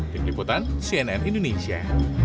di peliputan cnn indonesia